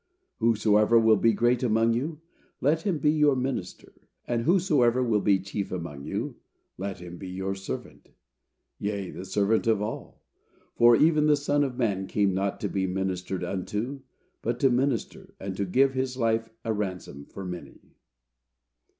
"Whosoever will be great among you, let him be your minister; and whosoever will be chief among you, let him be your servant,—yea, the servant of all. For even the Son of Man came not to be ministered unto, but to minister, and to give his life a ransom for many."